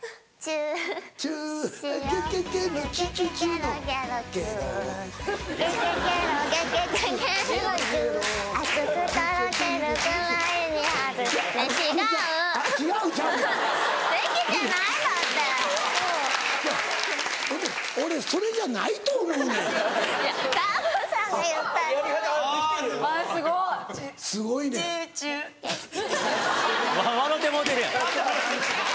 チュチュ笑うてもうてるやん。